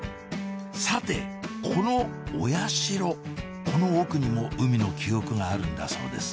さてこのお社この奥にも海の記憶があるんだそうです